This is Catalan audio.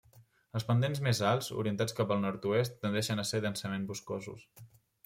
Els pendents més alts, orientats cap al nord-oest, tendeixen a ser densament boscosos.